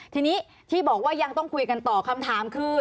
ทีนี้ที่บอกว่ายังต้องคุยกันต่อคำถามคือ